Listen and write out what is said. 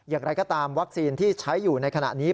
อย่างไรก็ตามวัคซีนที่ใช้อยู่ในขณะนี้